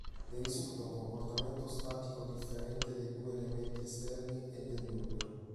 Ne risulta un comportamento statico differente dei due elementi esterni e del nucleo.